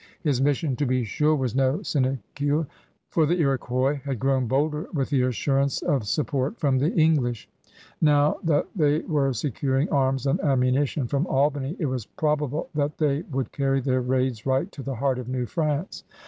His mission, to be sure, was no sinecure, for the Iroquois had grown bolder with the assurance of support from the English. Now J THE IRON GOVERNOR 95 that they were securing arms and ammunition from Albany it was probable that they would carry their raids right to the heart of New France.